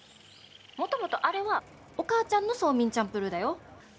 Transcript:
もともとあれはお母ちゃんのソーミンチャンプルーだよ。